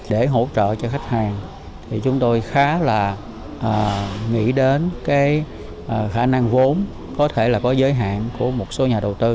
để hỗ trợ cho khách hàng chúng tôi khá là nghĩ đến khả năng vốn có thể có giới hạn của một số nhà đầu tư